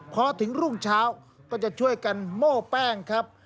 พอถึงรุ่งเช้าก็จะช่วยกันโม้แป้งครับ